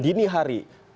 apa alasan dari ini